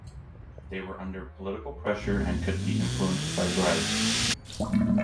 They were under political pressure and could be influenced by bribes.